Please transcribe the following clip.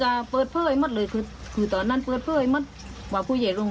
แล้วก็เอาไปลงทุนกับผู้ใหญ่ร่ง